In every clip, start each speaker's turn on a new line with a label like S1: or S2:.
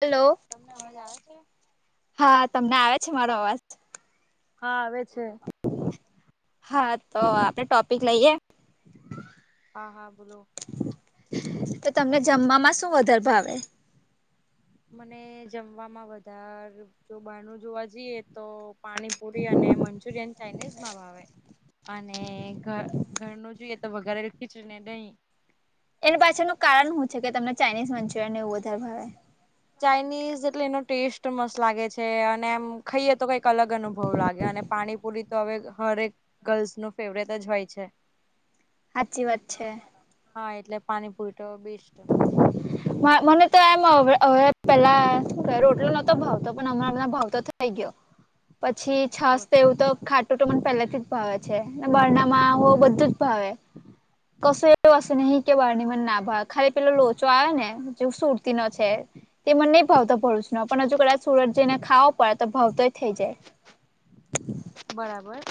S1: Hello, તમને અવાજ આવે છે. હા તમને આવે છે મારો અવાજ.
S2: હા આવે છે.
S1: હા તો આપળે ટોપિક લઈએ?
S2: હા હા બોલો.
S1: તો તમને જમવામાં શું વધારે ભાવે?
S2: મને જમવામાં વધાર જો બારનું જોવા જઈએ તો પાણીપુરી અને મંચુરિયન ચાઇનીઝ માં ભાવે. અને ઘ ઘરનું જોઈએ તો વઘારેલી ખીચડીને દહીં.
S1: એના પાછળનું કારણ હું છે કે, તમને ચાઇનીઝ મંચુરિયનને એવું વધારે ભાવે?
S2: ચાઈનીઝ એટલે એનો ટેસ્ટ મસ્ત લાગે છે અને એમ ખાઈએ તો કઈક અલગ અનુભવ લાગે અને પાણીપુરી તો હવે હરેક ગર્લ્સનું ફેવરેટ જ હોય છે.
S1: હાચી વાત છે.
S2: હા એટલે પાણી પુરી તો બેસ્ટ
S1: [inaudible] મ મને તો એમ અ હવે પેલા શું રોટલો નતો ભાવતો પણ હમણાં ભાવતો થઈ ગયો. પછી છાસ તો એવું તો ખા- ખાટુ મને પહેલાથી જ ભાવે છે ને બાર ના માં હો બધું જ ભાવે. કસુ એવી વસ્તુ નહીં કે બાર ની મને ના ભાવે. ખાલી પેલો લોચો આવે ને જેવું સુરતીનો છે. તે મને નય ભાવતો ભરૂચનો પણ હજુ કદાચ સુરત જઈને ખાવો પડે તો ભાવતોય થઈ જાય.
S2: બરાબર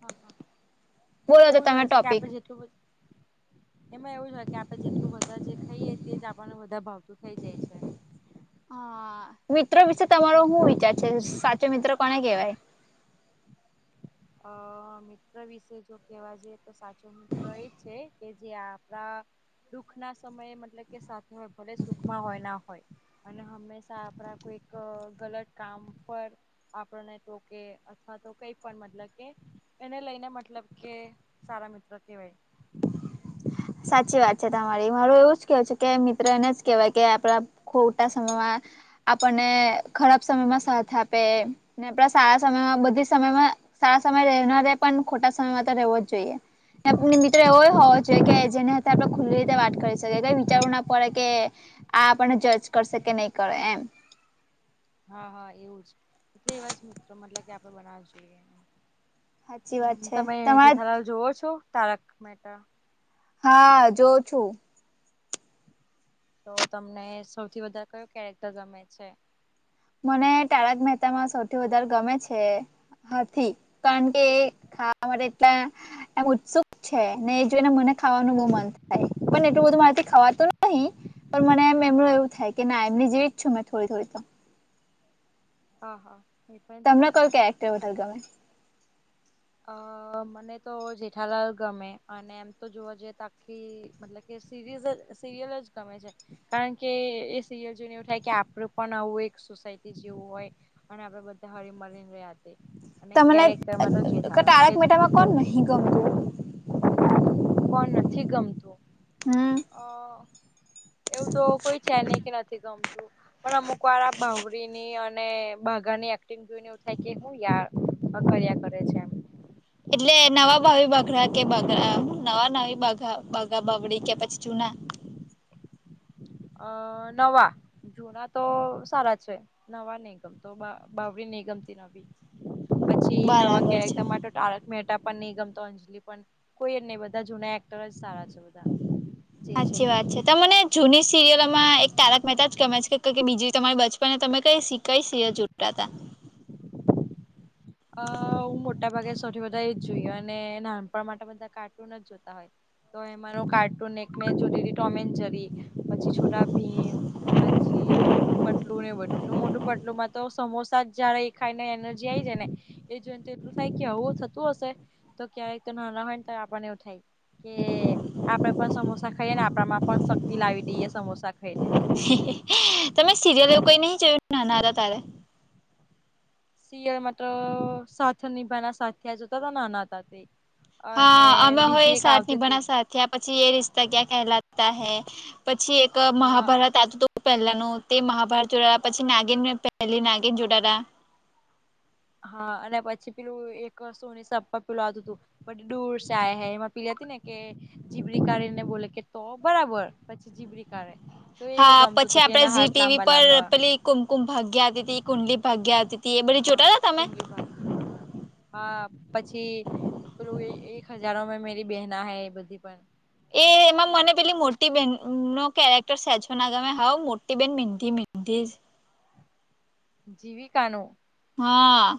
S2: હા હા એ તો
S1: બોલો
S2: એવું જ
S1: તમે
S2: હોય છે કે
S1: ટોપિક.
S2: આપડે જેટલું બધું એમાં એવું જ હોય કે આપડે જેટલું વધારે જે ખઈએ તે જ આપણને વધારે ભાવતું થઇ જાય છે.
S1: હા મિત્રો વિશે તમારો હું વિચાર છે. સાચો મિત્રો કોને કેવાય?
S2: અ મિત્ર વિશે જો કેવા જઈએ તો સાચો મિત્ર એ જ છે. કે જે આપણા દુખના સમયે મતલબ કે સાથે હોય ભલે સુખમાં હોય ના હોય. અને હંમેશા આપણા કોઈક ગલત કામ પર આપણને ટોકે અથવા તો કઈ પણ મતલબ કે એને લઈને મતલબ કે સારા મિત્ર કેવાય.
S1: સાચી વાત છે તમારી મારું એવું જ કેવું છે કે મિત્ર એને જ કેવાય કે આપણા ખોટા સમયમાં આપણને ખરાબ સમયમાં સાથ આપે. ને આપડા સારા સમયમાં બધી સમયમાં સારા સમય રહે ના રહેે પણ ખોટા સમયમાં તો રહેેવો જ જોઈએ. ને આપ મિત્ર એવો હોવો જોઈએ કે જેની સાથે આપણે ખુલ્લી રીતે વાત કરી શકીએ કઈ વિચારવું ના પડે કે આ આપણને જજ કરશે કે નય કરે એમ.
S2: હા હા એવું જ એટલે એવા જ મિત્રો મતલબ કે આપણે બનાવવા જોઈએ.
S1: સાચી વાત છે
S2: તમે
S1: તમારે
S2: જેઠાલાલ જોવો છો તારક મેહતા?
S1: હા જોઉં છું.
S2: તો તમને સૌથી વધારે કયો કેરેક્ટર ગમે છે?
S1: મને તારક મહેતામાં સૌથી વધારે ગમે છે, હાથી. કારણ કે ખાવા માટે એટલા એમ ઉત્સુક છે ને એ જોયને મને ખાવાનું બહુ મન થાય પણ એટલું બધું મારેથી ખાવાતું નહી પણ મને મેમરો એવું થાય. કે ના એમની જેવી જ છું મેં થોડી થોડી તો.
S2: હા હા એ પણ છે.
S1: તમને કયું કેરેક્ટર વધારે ગમે?
S2: અ મને તો જેઠાલાલ ગમે અને એમ તો જોવા જઈએ તો આખી, મતલબ કે સિરીઝ સિરિયલ જ ગમે છે. કારણ કે એ સિરિયલ જોઈને એવું થાય કે આપડું પણ આવું એક સોસાયટી જેવું હોય, અને આપડે બધા હળિમળી રહ્યા અને
S1: તમને
S2: કેરેક્ટરમાં તો છે.
S1: તારક મહેતામાં કોણ નહીં ગમતું?
S2: કોણ નથી ગમતું,
S1: હમ
S2: અ એવું તો કોઈ છે ની કે નથી ગમતું. પણ અમુક વાર આ બાવરીની અને બાઘાની એ ક્ટિંગ જોઈને એવું થાય કે હું યાર અકળ્યા કરે છે એમ.
S1: એટલે નવા ભાવી બઘડા કે બઘ નવા નવી બા બાઘા બાવડી કે પછી જૂના?
S2: અ નવા, જુના તો સારા છે, નવા નિ ગમતા બાવરી નિ ગમતી નવી.
S1: [inaudible]
S2: પછી નવા
S1: બરાબર
S2: ક્યારેક
S1: છે
S2: તમા ટાળ મેટા પણ, ગમતો અંજલી પણ, કોઈ ભી બધા જૂના એક્ટર જ સારા છે. બધા જે
S1: સાચી
S2: તે
S1: વાત છે તો મને જૂની સિરિયલમાં એક તારક મહેતા જ ગમે છે કે બીજી તમારી બાળપણમાં તમે કઈ શી કઈ સિરીયલ જોટાતા?
S2: [inaudible] અ હું મોટા ભાગે સૌથી વધા એ જ જોઈએ અને નાનપણ માટે બધા કાર્ટૂન જ જોતા હોય. તો એમાંનો કાર્ટૂન એકમે જોતી થી ટોમે જેરી પછી છોટા ભીમ મોટું પટલું ને બધું તો મોટું પટલું માં તો સમોસા જ જયારે એ ખાઈ ને એનર્જી આઈ જાય ને એ જોઈને તો એટલું થાય કે આવુ થતું હશે તો ક્યારેય તો ના ના હોય ને આપણને એવું થાય કે આપડે પણ સમોસા ખાઈએ ને આપડા માં પણ શક્તિ લાવી દઈએ સમોસા ખાઈને.
S1: તમે સિરિયલ એવું કઈ નહિ જોયું નાના હતા તારે?
S2: સિરીયલ મા તો સાથ નિભાના સાથિયા સાથે જોતા હતા નાના હતા તે.
S1: હા
S2: અને
S1: અમે હો એ
S2: બીજી એક
S1: સાથ
S2: આવતી
S1: નીભાના
S2: હતી
S1: સાથી થીયા પછી એ રિસ્તા ક્યાં કહેલાતા હૈ પછી એક
S2: હા
S1: મહાભારત આવતું તો પહેલાનું તે મહાભારત જોડાયા પછી નાગીન પહેલી નાગીન જોટાતા.
S2: હા અને પછી પેલું એક સોની સાપ્પા પેલું આતું હતું બડી દૂર સે આયે હે એમાં પેલી હતી ને કે, જીબડી કાઢીને બોલે કે તો બરાબર પછી જીબડી કાઢે તો એવું
S1: હા
S2: ગમતું
S1: પછી
S2: હતું કે
S1: આપડે
S2: એના
S1: ઝી
S2: હાથ
S1: ટીવી
S2: લાંબા
S1: પર
S2: લાંબા.
S1: પેલી કુમકુમ ભાગ્યા આવતી તી કુંડલી ભાગ્યા આવતી તી હતી એ બધી
S2: હા
S1: જોતા તા તમે?
S2: કુંડલી ભાગ્ય હા પછી પેલુ એક હજારોમે મેરી બહેના હૈ એ બધી પણ
S1: એ એમાં મને પેલી મોટી બેહેન નો કેરેક્ટર સેજ હો ના ગમે હાઉ મોટી બેન મીઠી મીઠી જ.
S2: જીવિકાનુ
S1: હા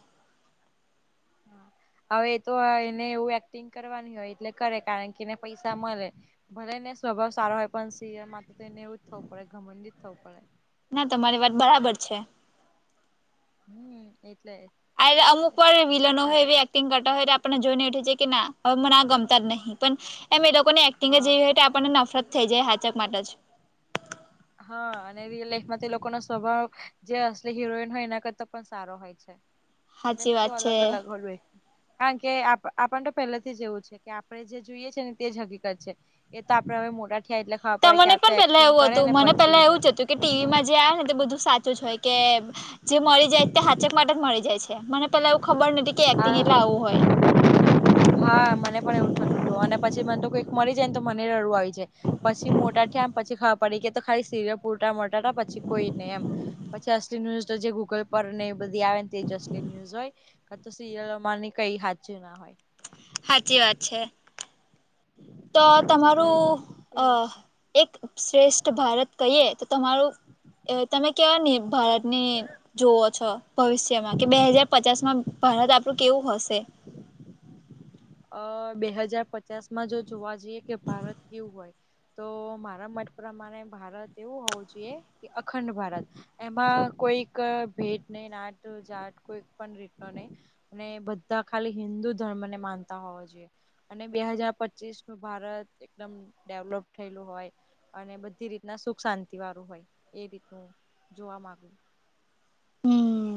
S2: હવે એ તો એને એવું એક્ટિંગ કરવાની હોય એટલે કરે કારણ કે એને પૈસા મળે. ભલે ને સ્વભાવ સારો હોય પણ સિરીયલ માં તો એને એવું જ થવું પડે ઘમંડી જ થવું પડે.
S1: ના તમારી વાત બરાબર છે.
S2: હમ એટલે
S1: એરયા અમુક પણ વિલનો હો એવી એક્ટિંગ કરતા હોય આપણને જોઈને એ થઈ જઈ કે ના હવે મને આ ગમતા જ નહીં પણ એમ એ લોકોને એક્ટિંગ જ
S2: હા
S1: જેવી હોય તો આપણને નફરત થઈ જાય હાચક માટે જ.
S2: હા, અને રિયલ લાઈફમાં તે લોકોનો સ્વભાવ જે અસલી હિરોઈન હોય એના કરતા પણ સારો હોય. છે, એટલે
S1: સાચી વાત
S2: બધું
S1: છે.
S2: અલગ અલગ હોળવે કારણ કે આપ-આપને તો પહેલાથી જ એવું છે કે આપણે જે જોઈએ છે ને તે જ હકીકત છે. એ તો આપડે હવે મોટા થયા એટલે ખાબર પડે કે
S1: મને
S2: આ તો
S1: પણ પેલા
S2: એક્ટિંગ
S1: એવું
S2: કરે
S1: હતું
S2: ને
S1: મને
S2: પછી
S1: પેલા
S2: ઉટે
S1: એવું કે જ ટી વી માં જે આવે ને તે બધું સાચું હોય કે જે મરી જાય તે હાચક માટે જ મળી જાય છે મને પેલા એવું ખબર નથી કે
S2: હા
S1: એક્ટિંગ એટલે આવું હોય.
S2: હા, મને પણ એવું થતું અને પછી મને તો કઈક મરી જાય ને તો મને રડું આવી જાય પછી મોટા કેમ પછી ખબર પડી કે તો ખાલી સીરિયલ પુરતા મરટા પછી કોઈ નહી એમ. પછી અસલી ન્યૂઝ તો જે ગૂગલ પર ને એ બધી આવે ને તે જ અસલી ન્યુઝ હોય. ક તો સિરિયલોમાંની કઈ હાચુ ના હોય.
S1: હાચી વાત છે. તો
S2: એટલે
S1: તમારું
S2: એવું
S1: અહ
S2: છે
S1: એક શ્રેષ્ઠ ભારત કહીએ તો તમારું એ તમે કેવાની ભારતની જોવો છો ભવિષ્ય? જેમાં કે બે હાજાર પચાસ માં ભારત આપણું કેવું હશે.
S2: હ અહ બે હજાર પચાસ માં જો જોવા જઈએ કે ભારત કેવું હોય તો મારા મત પ્રમાણે ભારત એવું હોવું જોઈએ કે અખંડ ભારત એમાં કોઈક ભેટ નહીં નાટ જાટ કોઈ પણ રીત નો નહીં. અને બધા ખાલી હિન્દુ ધર્મને માનતા હોવા જોઈએ. અને બે હજાર પચીસનું ભારત એકદમ ડેવલોપ થયેલું હોય. અને બધી રીતના સુખ શાંતિ વાળું હોય એ રીતનું જોવા માગું.
S1: હમ્મ,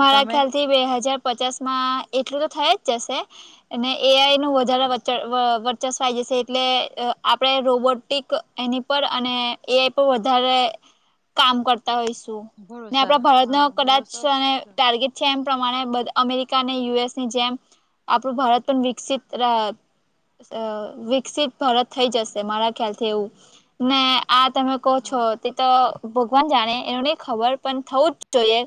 S1: મારા
S2: તમે
S1: ખ્યાલથી બે હજાર પચાસમાં એટલુંતો થઈ જ જશે. અને એ આઈ નું વધારે વચ્ચે અહ વ ચસવાઈ જશે, એટલે આપડે રોબોટિક એની પર અને એઈ પર વધારે કામ કરતા હોયશું ને આપડે
S2: ભરોસા
S1: ભારતનો
S2: હા
S1: કદાચ
S2: ભરોસો
S1: અને ટાર્ગેટ છે એમ પ્રમાણે અમેરિકા અને યુ એસની જેમ આપણું ભારત પણ વિકસિત રહ સ અહ વિકસિત ભારત થઈ જશે મારા ખ્યાલથી એવું ને આ તમે કહો છો,
S2: હા
S1: તેતો ભગવાન જાણે એનું નહીં ખબર પણ થવુંજ જોઈએ.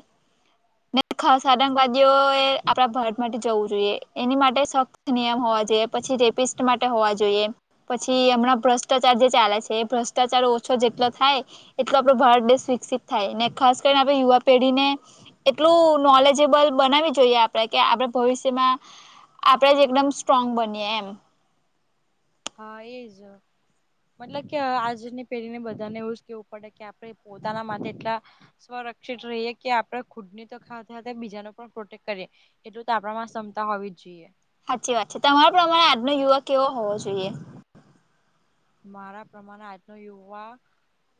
S1: ને ખાસ આતંકવાદીઓ એ આપડા ભારત માટે જવું જોઈએ એની માટે સખ્ત નિયમ હોવા જોઈએ, પછી રેપિસ્ટ માટે હોવા જોઈએ. પછી હમણાં ભ્રષ્ટાચાર જે ચાલે છે, એ ભ્રષ્ટાચાર ઓછો જેટલો થાય એટલો આપડો ભારતદેશ વિકસિત થાયને ખાસ કરીને આપડે યુવા પેઢીને એટલું નોલેજેબલ બનાવી જોઈએ આપડે કે આપડે ભવિષ્યમાં આપડે જ એકદમ સ્ટ્રોંગ બનીએ એમ.
S2: હા, એજ. મતલબ કે આજની પેઢીને બધાને એવું જ કેવું પડે, કે આપે પોતાના માટે એટલા સ્વરક્ષિત રહીએ કે આપડે ખુદ નીતોખા બીજા ને પણ પ્રોટેક્ટ કરીએ. એટલું તો આપડામાં ક્ષમતા હોવી જ જોઈએ.
S1: હાચી વાત છે. તમારા પ્રમાણે આજનો યુવક કેવો હોવો જોઈએ?
S2: મારા પ્રમાણે આજનો યુવા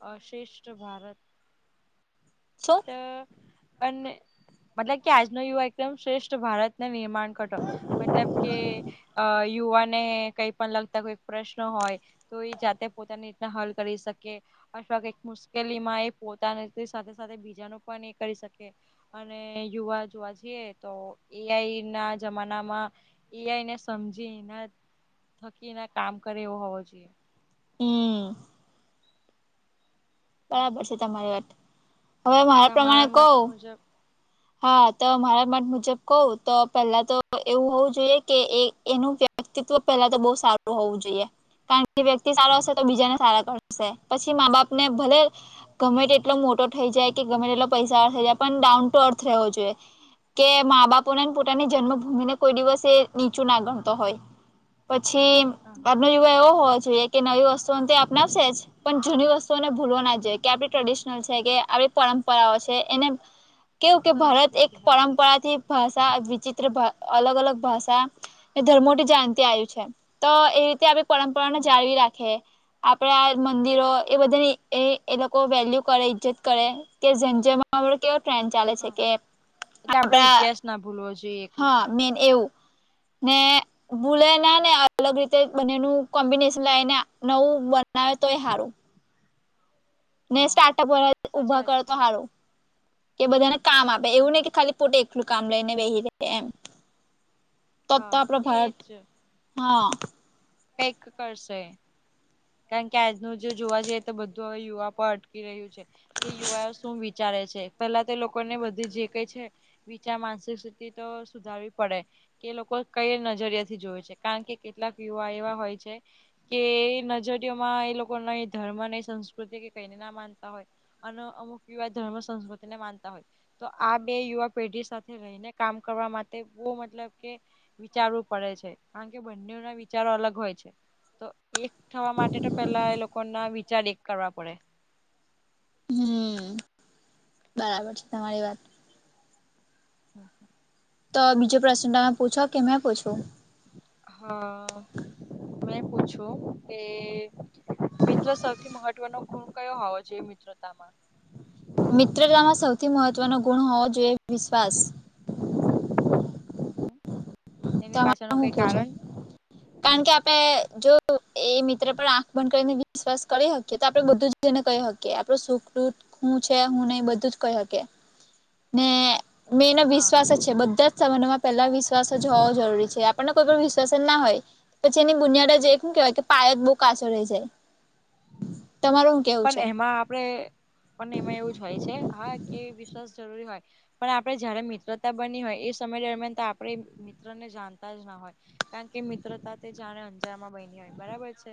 S2: અહ શ્રેષ્ઠ ભારત
S1: છે.
S2: તે અને મતલબ કે આજનો યુવા એકદમ શ્રેષ્ઠ ભારતના નિર્માણ કરતો, મતલબ કે યુવાને કંઈ પણ લગતા કોઈ પ્રશ્ન હોય તો એ જાતે પોતાની રીતના હલ કરી શકીએ. અથવા કઈ મુશ્કેલીમાં એ પોતાની સાથે સાથે બીજાનું પણ એ કરી શકે અને યુવા જોવા જઈએ તો એ આઈ ના જમાનામાં એ આઈ ને સમજી ને ના થકી એના કામ કરે એવો હોવો જોઈએ.
S1: હમ્મ. બરાબર છે, તમારી વાત હવે મારા પ્રમાણે
S2: તમારા મત
S1: કવ.
S2: મુજબ
S1: હા, તો મારા મત મુજબ કવતો પહેલા તો એવું હોવું જોઈએ કે એનું. વ્યક્તિત્વ પહેલા તો બહુ સારું હોવું જોઈએ, કારણ કે વ્યક્તિ સારો હશે તો, બીજાને
S2: હ
S1: સારા કરે. પછી માં-બાપ ને ભલે. ગમે એટલો મોટો થઈ જાય કે, ગમે તે એટલો પૈસા થઇ જાય, પણ ડાઉન ટુ અર્થ રહેવો જોઈએ. કે માં-બાપો ને, પોતાની જન્મભૂમિને, કોઈ દિવસ એ નીચુંના ગણતો હોય. પછી
S2: હા
S1: એનો યુવા એવો હોવો જોઈએ. કે, નવી વસ્તુઓને અપનાવશે, જે પણ જૂની વસ્તુઓને ભૂલવો ના જોઈએ કે, આપણી ટ્રેડિશનલ છે, કે આપ પરંપરા. પરા છે, એને કેવું કે, ભારત એક
S2: સંસ્કૃતિ હા
S1: પરંપરાથી ભાષા વિચિત્ર અલગ-અલગ ભાષા. એ ધર્મોથી જણાવતી આવ્યું છે, તોએ રીતે આપણે પરંપરાને જાળવી રાખીએ. આપડે આ મંદિરોએ બધાની એ, એ લોકો વેલ્યુ કરે, ઈજ્જત કરે. કે, જેમ-જેમ આપ કેવો ટ્રેન ચાલે છે
S2: હા
S1: કે,
S2: એટલે આપડો
S1: આપડા
S2: ઇતિહાસ ના ભૂલવો જોઈએ. એક
S1: હા,
S2: રીતના
S1: મેન એવું ને. ભૂલે ના, ને અલગ રીતે બંનેનું કોમ્બિનેશન લાવેને, નવું બનાવે તો એ સારું. ને
S2: હા હા
S1: સ્ટાર્ટઅપ
S2: સાચી
S1: ઉભા
S2: વાત
S1: કરે,
S2: છે
S1: તો સારું કે, બધાને કામ આપે, એવું
S2: હમ
S1: નહીં કે ખાલી. પોતેવએકલું કામ લઈને, વહી રહે, એમ તો
S2: હા
S1: તો ભારત.
S2: એજ
S1: હા.
S2: પેક કરશે. કારણ કે, આજનું જો જોવા જઈએ, તો બધું હવે યુવા પણ અટકી રહ્યું છે, કે યુવા શું? વિચારે છે, પેલા તે લોકો ને બધી જે કઈ છે. વિચાર, માનસિક સ્થિતિ તો સુધારવી પડે. કે લોકો કઈ નજરિયા થી જોવે છે, કારણ કે કેટલાક યુવા એવા હોય છે. કે નજરયોમાં એ લોકો નહીં, ધર્મ નઈ, સંસ્કૃતિ કે કઈને ના, માનતા હોય. અને અમુક યુવા ધર્મ, સંસ્કૃતિ ને માનતા હોય. તો આ બે યુવા પેઢી સાથે રહીને કામ કરવા માટે બહુ મતલબ કે વિચારવું પડે છે, કારણ કે બંનેના વિચારો અલગ હોય છે, તો એક થ એ તો, પેલા એ લોકો ના વિચાર એક કરવા પડે.
S1: હમ, બરાબર છે તમારી વાત.
S2: [unintelligible]
S1: તો બીજો પ્રશ્ન તમે પૂછો કે મેં પૂછો?
S2: હા, મેં પૂછ્યું કે મિત્ર, સૌથી મહત્વનો ભૂલ કયો હોવો જોઈએ? મિત્રતામાં.
S1: મિત્રતામાં સૌથી મહત્વનો ગુણ હોવો જોઈએ, વિશ્વાસ.
S2: [unintelligible] એની
S1: તમારે
S2: પાછળનું
S1: હું
S2: કઈ
S1: કેવુ છે?
S2: કારણ?
S1: કારણ કે, આપડે જો એ મિત્ર પર આંખ બંધ કરીને, વિશ્વાસ કરી શકીએ તો, આપડે બધું જ. કહી શકે, આપનો સુખ-દુઃખ પણ કહી શકે. ને મેંને
S2: હા
S1: વિશ્વાસ જ છે, બધા જ સંબંધ માં પેલા વિશ્વાસ. જવ જરૂરી છે, આપણને કોઈ પણ વિશ્વાસ ના હોય. પછી એની બુનિયાદ, જે શું કેવાય કે પાયત બહુ કાચો રહી જાય. તમારું હું કેવું
S2: પણ
S1: છે
S2: એમાં આપણેે. પણ એમાં એવું જ હોય છે, હા, કે વિશ્વાસ જરૂરી હોય. પણ આપણે જયારે મિત્રતા બની હોય, એ સમય દરમિયાન તો આપણે મિત્ર ને જાણતા જ ના હોય. કારણ કે મિત્રતા તે જાણે અંજારમાં બની હોય, બરાબર છે,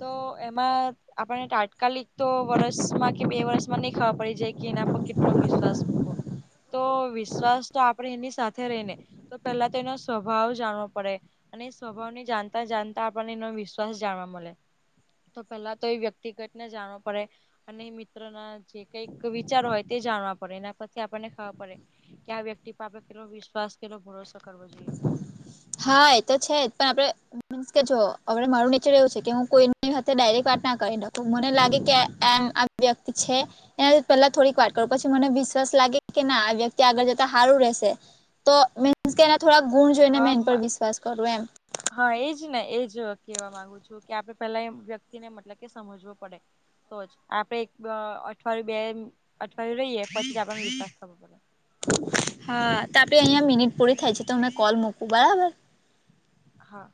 S2: તો એમાં આપણે તાત્કાલિક તો વર્ષમાં કે, બે વર્ષ. માં ન ખબર પડી જાય કે, એના પર કેટલો વિશ્વાસ મૂકો તો. બસ, તો આપણે એની સાથે રહીને, તો પેલા તો એનો સ્વભાવ જાણવો પડે. અને સ્વભાવને જાણતા જાણતા, આપણને નો વિશ્વાસ જાણવા મળે, તો પહેલા તો એ વ્યક્તિ. ટિકટ ને જાણવો પડે અને મિત્ર ના જે કઈક વિચાર હોય તે જાણવા પડે એના પછી આપણને ખબર પડે કે આ વ્યક્તિ પાપે કેલો વિશ્વાસ કેલો ભરોસો કરવો જોઈએ
S1: હા એ તો છે જ પણ આપડે કે જો હવે મારું નેચર એવું છે કે હું કોઈની સાથે ડાયરેક્ટ વાત ના કરી નાખું મને લાગે કે વ્યક્તિ છે એના પહેલા થોડીક વાત કરો પછી મને વિશ્વાસ લાગે કે ના આ વ્યક્તિ આગળ જતા સારું રહેશે તો મીન્સ કે થોડા ગુણ જોઈને મેં એન પર
S2: હા
S1: વિશ્વાસ કરું એમ
S2: હા એજ ને એજ કેવા માંગુ છું કે આપડે પેલા એ વ્યક્તિ ને મતલબ કે સમજવો પડે તો જ આપડે એક અઠવાડિયું બે અઠવાડિયું રહીએ પછી આપણને વિશ્વાસ થવો પ
S1: હા તો આપડે અહિયાંયા મિનિટ પૂરી થાય છે તો મેં કોલ મૂકું બરાબર
S2: હા